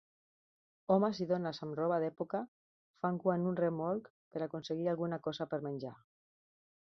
Homes i dones amb roba d'època fan cua en un remolc per aconseguir alguna cosa per menjar.